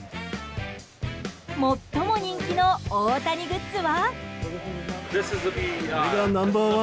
最も人気の大谷グッズは。